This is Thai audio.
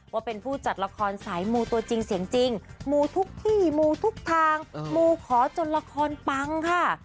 ว่าเป็นผู้จัดละครสายมูตัวจริงเสียงจริงมูทุกที่มูทุกทางมูขอจนละครปังค่ะ